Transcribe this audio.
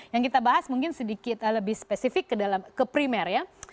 yang kita bahas mungkin sedikit lebih spesifik ke primer ya